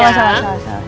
oh salah salah